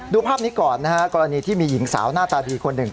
ภาพนี้ก่อนนะฮะกรณีที่มีหญิงสาวหน้าตาดีคนหนึ่ง